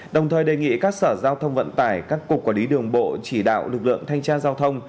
đồng thời đề nghị các sở giao thông vận tải các cục quản lý đường bộ chỉ đạo lực lượng thanh tra giao thông